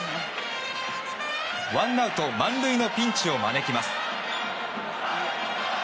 ワンアウト満塁のピンチを招きます。